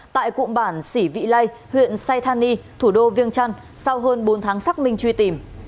tại cụm bản xỉ vị lây huyện saythani thủ đô viêng trăn sau hơn bốn tháng xác minh truy tìm